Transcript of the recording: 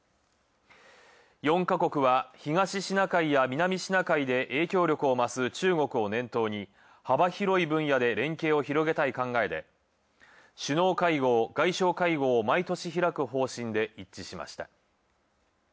４ヵ国は東シナ海や南シナ海で影響力を増す中国を念頭に幅広い分野で連携を広げたい考えで首脳会合、外相会合を毎年開く方針で一致しました。